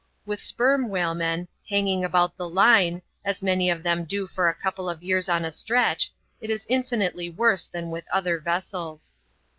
With Sperm Whalemen, hanging about the Line, as many of them do for a couple of years on a stretch, it is in finitely worse than with other vessels.